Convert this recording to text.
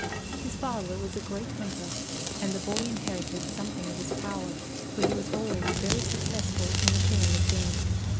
His father was a great hunter and the boy inherited something of his power, for he was always very successful in the killing of game.